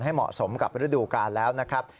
เหมาะสมกับฤดูกาลแล้วนะครับ